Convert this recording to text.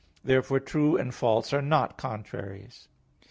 Therefore true and false are not contraries.